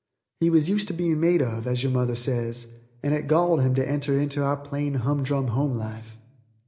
He was used to being made of, as your mother says, and it galled him to enter into our plain, humdrum home life.